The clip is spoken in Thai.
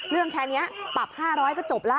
เรื่องแค่นี้ปรับฮาร้อยก็จบละ